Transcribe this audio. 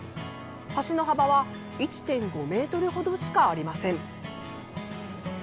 橋の幅は１．５ｍ程しかありません。